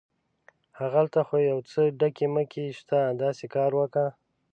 هغلته خو یو څه ډکي مکي شته، داسې کار وکه.